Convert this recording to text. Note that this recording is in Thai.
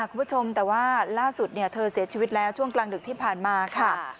คุณผู้ชมแต่ว่าล่าสุดเธอเสียชีวิตแล้วช่วงกลางดึกที่ผ่านมาค่ะ